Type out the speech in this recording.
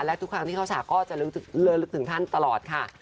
และทุกครั้งที่เข้าฉากก็จะลึกถึงท่านตลอดค่ะ